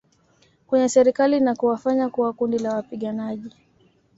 kwenye Serikali na kuwafanya kuwa kundi la wapiganaji